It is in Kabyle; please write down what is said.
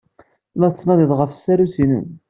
La tettnadiḍ ɣef tsarut-nnem.